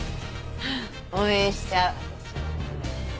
応援しちゃう私。